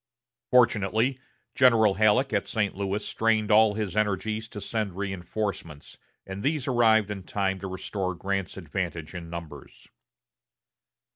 Fortunately, General Halleck at St. Louis strained all his energies to send reinforcements, and these arrived in time to restore Grant's advantage in numbers.